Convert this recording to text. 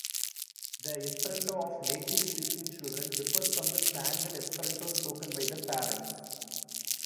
The Esperanto of native-speaking children differs from the standard Esperanto spoken by their parents.